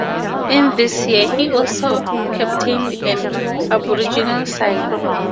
In this year, he also captained an Aboriginal side.